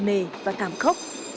nề và cảm khúc